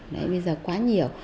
bây giờ quá nhiều